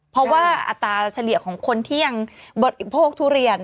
เพราะว่าอัตราเฉลี่ยของคนที่ยังบริโภคทุเรียน